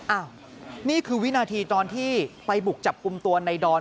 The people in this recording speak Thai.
อ้าวนี่คือวินาทีตอนที่ไปบุกจับกุมตัวนายดอน